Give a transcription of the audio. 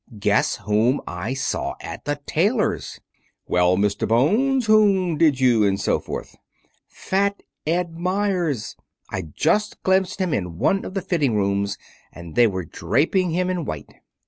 Guess whom I saw at the tailor's?" "Well, Mr. Bones, whom did you, and so forth?" "Fat Ed Meyers. I just glimpsed him in one of the fitting rooms. And they were draping him in white."